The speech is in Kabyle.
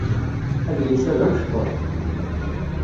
Adlis-a d amecṭuḥ.